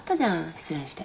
失恋して。